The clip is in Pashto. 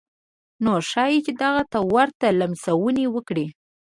نو ښايي چې دغه ته ورته لمسونې وکړي.